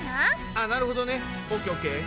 あなるほどね！